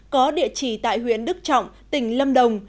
có địa chỉ tại huyện đức trọng tỉnh lâm đồng